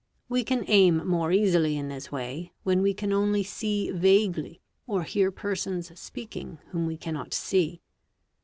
We can aim more ~asily in this way, when we van only see vaguely or hear Big. 56. Jersons speaking whom we cannot see.